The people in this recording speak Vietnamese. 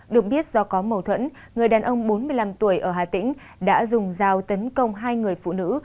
được biết do có mâu thuẫn người đàn ông bốn mươi năm tuổi ở hà tĩnh đã dùng dao tấn công hai người phụ nữ